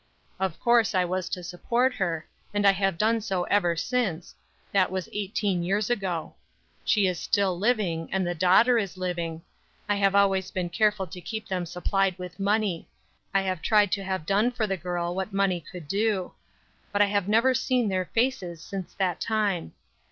Of course I was to support her, and I have done so ever since; that was eighteen years ago; she is still living, and the daughter is living. I have always been careful to keep them supplied with money; I have tried to have done for the girl what money could do; but I have never seen their faces since that time.